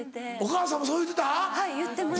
お母さんもそう言うてた？